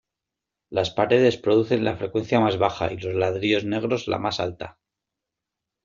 Las paredes producen la frecuencia más baja y los ladrillos negros la más alta.